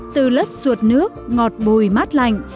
từ lớp ruột nước ngọt bùi mát lành